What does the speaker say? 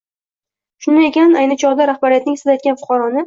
Shunday ekan, ayni chog‘da rahbariyatning siz aytgan fuqaroni